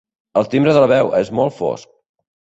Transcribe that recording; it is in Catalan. El timbre de la veu és molt fosc.